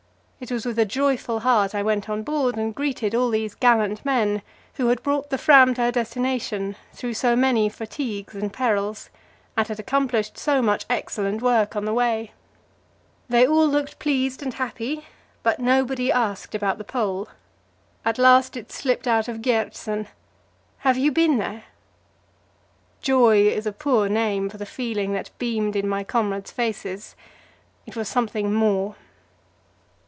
It was with a joyful heart I went on board and greeted all these gallant men, who had brought the Franz to her destination through so many fatigues and perils, and had accomplished so much excellent work on the way. They all looked pleased and happy, but nobody asked about the Pole. At last it slipped out of Gjertsen: "Have you been there?" Joy is a poor name for the feeling that beamed in my comrades' faces; it was something more.